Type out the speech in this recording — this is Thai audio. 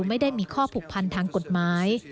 ไม่ได้มีข้อผูกพันทางกฎหมาย